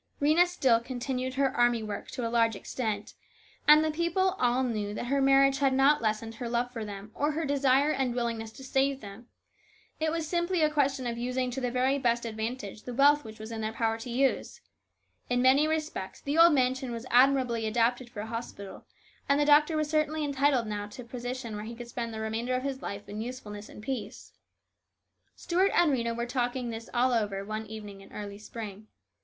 Rhena still continued her army work to a large extent, and the people all knew that her marriage had not lessened her love for them or her desire and willingness to save them. It was simply a question of using to the very best advantage AN ORATOR. 287 the wealth which was in their power to u c e. In many respects the old mansion was admirably adapted for a hospital ; and the doctor was certainly entitled now to a position where "he could spend the remainder of his life in usefulness and peace. Stuart and Rhena were talking this all over one evening in early spring.